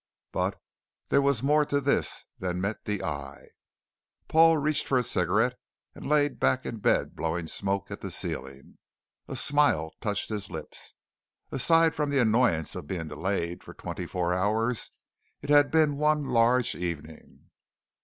But there was more to this than met the eye. Paul reached for a cigarette and laid back in bed blowing smoke at the ceiling. A smile touched his lips. Aside from the annoyance at being delayed for twenty four hours, it had been one large evening.